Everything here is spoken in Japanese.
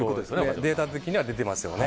データ的には出てますよね。